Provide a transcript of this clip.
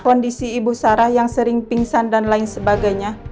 kondisi ibu sarah yang sering pingsan dan lain sebagainya